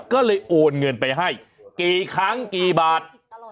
ก็เลยโอนเงินไปให้กี่ครั้งกี่บาท